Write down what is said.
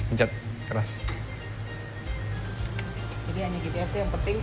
jadi hanya gitu ya itu yang penting ukurannya tadi yang terpenting